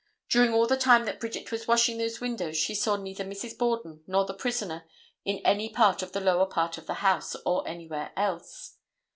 During all the time that Bridget was washing those windows she saw neither Mrs. Borden nor the prisoner in any part of the lower part of the house or anywhere else.